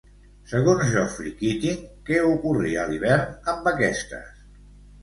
Segons Geoffrey Keating, què ocorria a l'hivern amb aquestes?